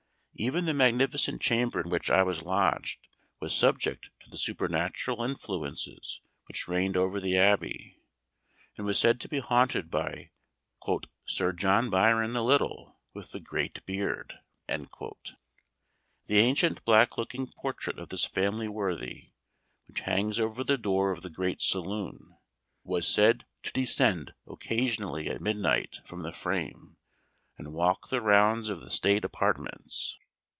Even the magnificent chamber in which I was lodged was subject to the supernatural influences which reigned over the Abbey, and was said to be haunted by "Sir John Byron the Little with the great Beard." The ancient black looking portrait of this family worthy, which hangs over the door of the great saloon, was said to descend occasionally at midnight from the frame, and walk the rounds of the state apartments.